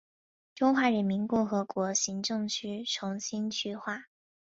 中华人民共和国行政区重新区划。